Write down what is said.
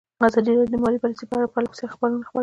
ازادي راډیو د مالي پالیسي په اړه پرله پسې خبرونه خپاره کړي.